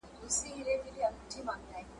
چي یې تباه سول کلي کورونه `